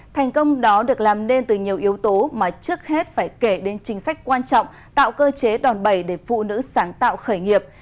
thành công đó được làm nên từ nhiều yếu tố mà trước hết phải kể đến chính sách quan trọng tạo cơ chế đòn bẩy để phụ nữ sáng tạo khởi nghiệp